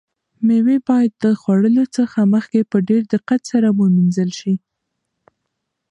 مېوې باید د خوړلو څخه مخکې په ډېر دقت سره ومینځل شي.